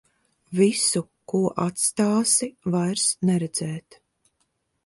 Visu, ko atstāsi, vairs neredzēt.